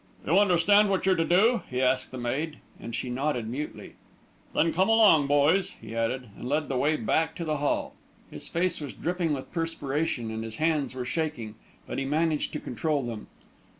"You understand what you're to do?" he asked the maid, and she nodded mutely. "Then come along, boys," he added, and led the way back to the hall. His face was dripping with perspiration and his hands were shaking, but he managed to control them.